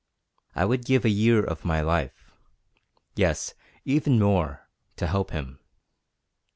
I would give a year of my life yes, even more to help him.